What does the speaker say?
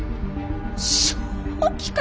正気か！？